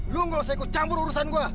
lu nggak usah ikut campur urusan gua